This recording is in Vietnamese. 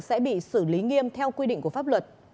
sẽ bị xử lý nghiêm theo quy định của pháp luật